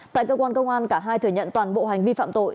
tại cơ quan công an cả hai thừa nhận toàn bộ hành vi phạm tội